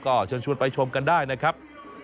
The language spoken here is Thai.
ก็เชิญชวนไปชมกันได้นะครับ